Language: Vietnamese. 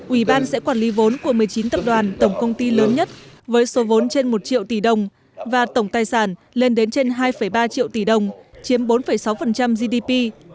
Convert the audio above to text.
ủy ban sẽ quản lý vốn của một mươi chín tập đoàn tổng công ty lớn nhất với số vốn trên một triệu tỷ đồng và tổng tài sản lên đến trên hai ba triệu tỷ đồng chiếm bốn sáu gdp